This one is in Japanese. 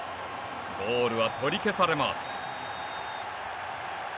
ゴールは取り消されます。